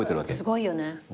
すごいよね。